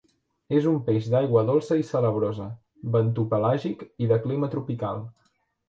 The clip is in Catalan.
És un peix d'aigua dolça i salabrosa, bentopelàgic i de clima tropical.